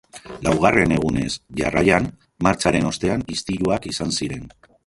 Laugarren egunez jarraian, martxaren ostean istiluak izan ziren.